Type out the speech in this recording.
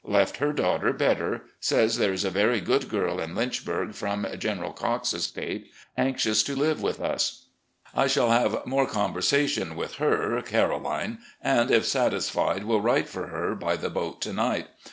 Left her daughter better. Says there is a very good girl in Lynchburg, from General Cocke's estate, anxious to live with us. I shall have more conversa tion with her [Caroline], and, if satisfied, will write for her, by the boat to night.